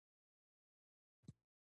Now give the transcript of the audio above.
د نوي کور نوي ژوند ډرامه ښوونیزه ده.